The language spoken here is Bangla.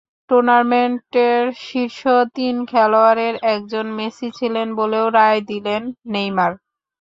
টুর্নামেন্টের শীর্ষ তিন খেলোয়াড়ের একজন মেসি ছিলেন বলেও রায় দিলেন নেইমার।